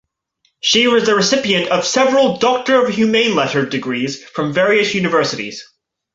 She was the recipient of several Doctor of Humane Letters degrees from various universities.